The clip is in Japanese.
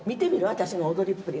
私の踊りっぷり。